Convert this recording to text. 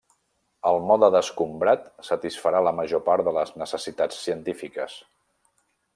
El mode d'escombrat satisfarà la major part de les necessitats científiques.